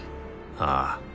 ああ。